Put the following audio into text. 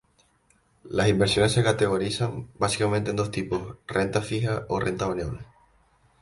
Las inversiones se categorizan básicamente en dos tipos: renta fija o renta variable.